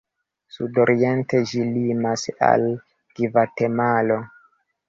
Sudoriente ĝi limas al Gvatemalo.